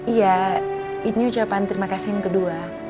iya ini ucapan terima kasih yang kedua